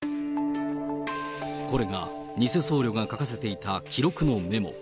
これが偽僧侶が書かせていた記録のメモ。